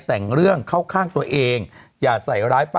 หน่อยเล่าให้ฟังซิ